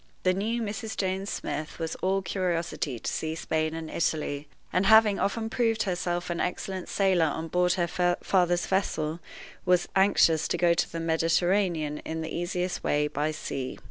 The new Mrs. James Smith was all curiosity to see Spain and Italy; and, having often proved herself an excellent sailor on board her father's vessel, was anxious to go to the Mediterranean in the easiest way by sea.